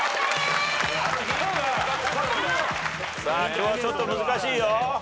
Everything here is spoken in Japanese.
今日はちょっと難しいよ。